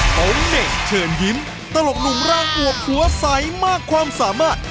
ของเด็กเชิญยิ้มตลกหนุ่มร่างอวบหัวใสมากความสามารถ